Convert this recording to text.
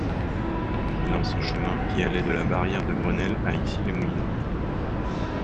C'est l’ancien chemin qui allait de la barrière de Grenelle à Issy-les-Moulineaux.